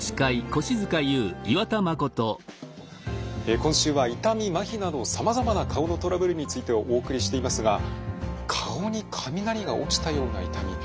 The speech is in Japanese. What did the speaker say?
今週は痛みまひなどさまざまな顔のトラブルについてお送りしていますが顔に雷が落ちたような痛み。